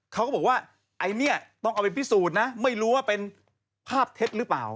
เขาก็บอกว่าไอ้เนี่ยต้องเอาไปพิสูจน์นะไม่รู้ว่าเป็นภาพเท็จหรือเปล่า